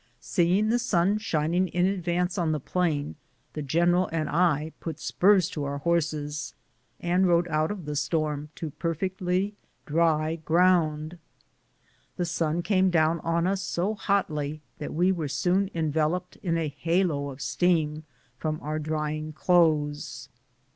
Seeing the sun shining in advance on the plain, the general and I put spurs to our horses and rode out of the storm to perfectly dry ground. The sun came down on us so hotly that we were soon enveloped in a halo of steam from our drying clothes.